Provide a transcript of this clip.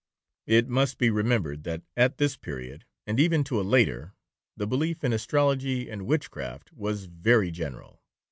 It must be remembered, that at this period, and even to a later, the belief in astrology and witchcraft was very general.